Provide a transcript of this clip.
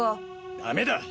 ダメだ。